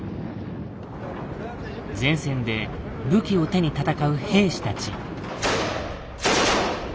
前線で武器を手に戦う兵士たち。